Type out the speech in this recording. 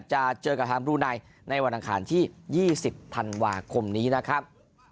จะเจอกับฮาร์มบลูนายในวันดังขาลที่ยี่สิบธันวาคมนี้นะครับ